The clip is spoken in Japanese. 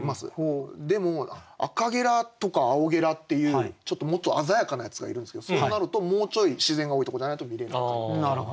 でもアカゲラとかアオゲラっていうもっと鮮やかなやつがいるんですけどそうなるともうちょい自然が多いとこじゃないと見れなかったり。